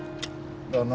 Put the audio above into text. だな。